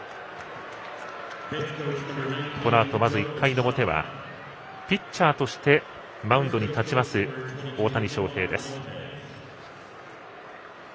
このあとまず１回の表はピッチャーとしてマウンドに立ちます大谷翔平です。